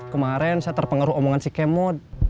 kemarin saya terpengaruh omongan si kemo